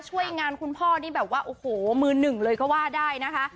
ช่วยงานคุณพ่อนี่แบบว่าโอ้โหมือหนึ่งเลยก็ว่าได้นะคะ